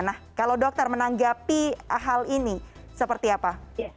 nah kalau dokter menanggapi hal ini seperti apa